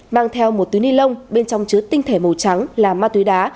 mang theo một túi ni lông bên trong chứa tinh thể màu trắng là ma túy đá